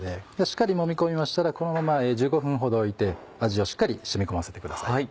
しっかりもみ込みましたらこのまま１５分ほど置いて味をしっかり染み込ませてください。